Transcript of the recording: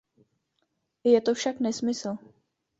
Je to však nesmysl.